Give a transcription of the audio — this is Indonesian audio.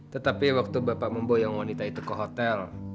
tetapi waktu bapak memboyang wanita itu ke hotel